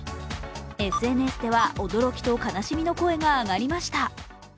ＳＮＳでは驚きと悲しみの声が上がりました。